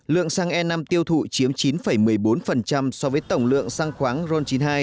lượng xăng e năm tiêu thụ chiếm chín một mươi bốn so với tổng lượng xăng khoáng ron chín mươi hai